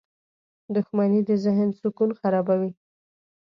• دښمني د ذهن سکون خرابوي.